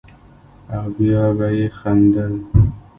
او بيا به يې خندل.